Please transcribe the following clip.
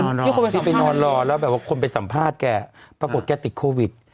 อันนี้คุณพระศรีไปนอนรอแล้วคนไปสัมภาษณ์แก้ปรากฏแก้ติดโควิด